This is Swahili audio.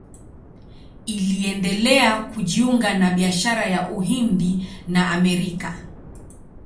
Iliendelea kujiunga na biashara ya Uhindi na Amerika.